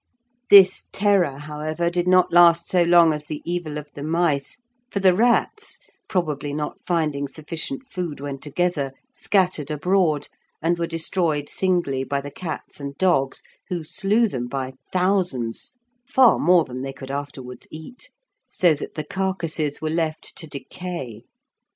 This terror, however, did not last so long as the evil of the mice, for the rats, probably not finding sufficient food when together, scattered abroad, and were destroyed singly by the cats and dogs, who slew them by thousands, far more than they could afterwards eat, so that the carcases were left to decay.